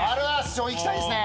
いきたいですね。